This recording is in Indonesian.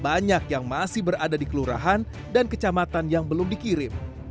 banyak yang masih berada di kelurahan dan kecamatan yang belum dikirim